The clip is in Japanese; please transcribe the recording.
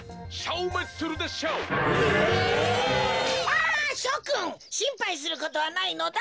あしょくんしんぱいすることはないのだ。